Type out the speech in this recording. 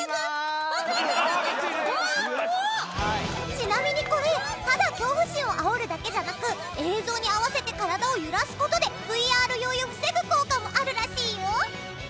ちなみにこれただ恐怖心をあおるだけじゃなく映像に合わせて体を揺らす事でＶＲ酔いを防ぐ効果もあるらしいよ。